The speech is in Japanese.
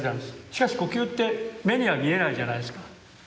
しかし呼吸って目には見えないじゃないですか。